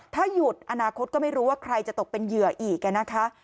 ถ้าหยุดอนาคตก็ไม่รู้ว่าใครจะตกเป็นเหยื่ออีกนะคะ